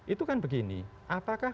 itu kan begini apakah